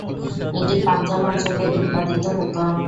এটি পাঞ্জাব অঞ্চলে উৎপাদিত হত।